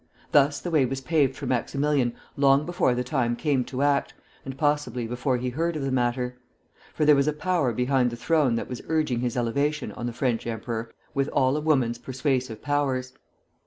Thus the way was paved for Maximilian long before the time came to act, and possibly before he heard of the matter; for there was a power behind the throne that was urging his elevation on the French emperor with all a woman's persuasive powers.